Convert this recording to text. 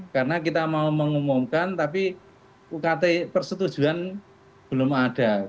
karena kita mau mengumumkan tapi ukt persetujuan belum ada